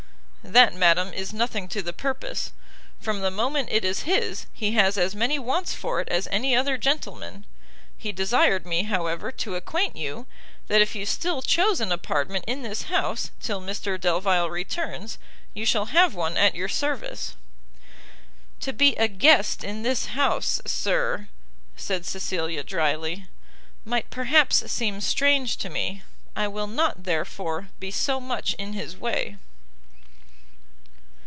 "That, madam, is nothing to the purpose; from the moment it is his, he has as many wants for it as any other gentleman. He desired me, however, to acquaint you, that if you still chose an apartment in this house, till Mr Delvile returns, you shall have one at your service." "To be a guest in this house, Sir," said Cecilia, drily, "might perhaps seem strange to me; I will not, therefore, be so much in his way."